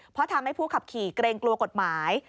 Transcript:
เพราะทำให้ผู้ขับขี่เกรงกลัวกฎหมาย